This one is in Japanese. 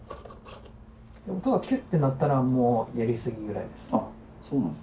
音がキュッて鳴ったらもうやりすぎぐらいですね。